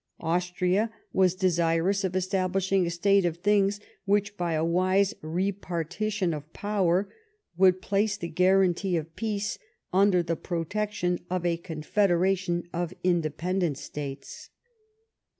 Austria was desirous of establishing a state of things which, by a wise rfc partition of power, would place the guarantee of peace under the protection of a confederation of independent States.